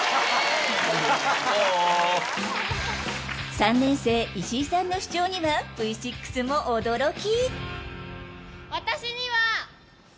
３年生、石井さんの主張にはＶ６も驚き。